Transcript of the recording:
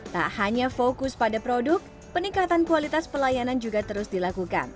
tak hanya fokus pada produk peningkatan kualitas pelayanan juga terus dilakukan